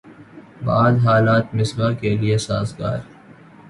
بعد حالات مصباح کے لیے سازگار